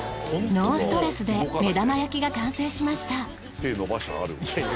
ノーストレスで目玉焼きが完成しました。